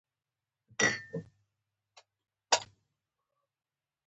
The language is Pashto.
ژبه د ساینس او پوهې کیلي ده.